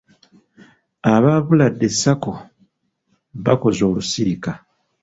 Aba Buladde Sacco bakoze olusirika.